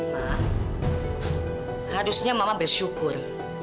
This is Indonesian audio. ma harusnya mama bersyukur